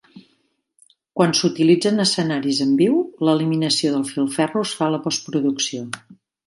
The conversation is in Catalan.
Quan s'utilitzen escenaris en viu, l'eliminació del filferro es fa a la postproducció.